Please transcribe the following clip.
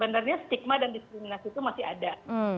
sebenarnya stigma dan diskriminasi itu masih ada